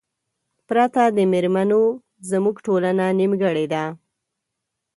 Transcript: پرته د میرمنو زمونږ ټولنه نیمګړې ده